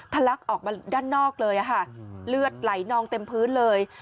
ลักออกมาด้านนอกเลยค่ะเลือดไหลนองเต็มพื้นเลย